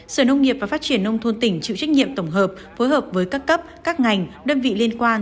sở nông nghiệp và phát triển nông thôn tỉnh chịu trách nhiệm tổng hợp phối hợp với các cấp các ngành đơn vị liên quan